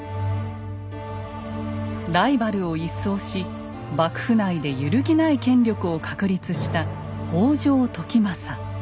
ライバルを一掃し幕府内で揺るぎない権力を確立した北条時政。